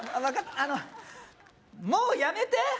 あのもうやめて！